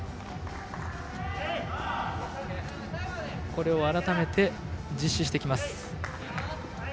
これを改めて実施してきます。